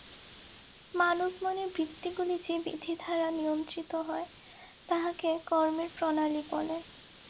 মানব-মনের বৃত্তিগুলি যে বিধি দ্বারা নিয়ন্ত্রিত হয়, তাহাকে কর্মের প্রণালী বলে।